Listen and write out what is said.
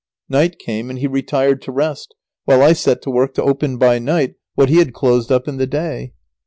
Night came and he retired to rest, while I set to work to open by night what he had closed up in the day.